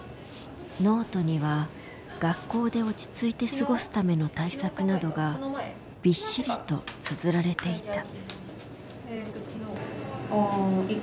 ノートには学校で落ち着いて過ごすための対策などがびっしりとつづられていた。